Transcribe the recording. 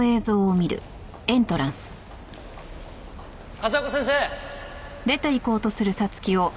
風丘先生！